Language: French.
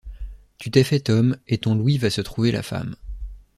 Tu t’es faite homme, et ton Louis va se trouver la femme!